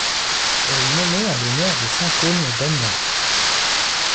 Elle est nommée en l'honneur de saints Côme et Damien.